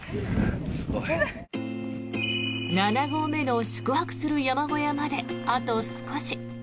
７合目の宿泊する山小屋まであと少し。